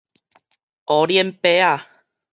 烏輪伯仔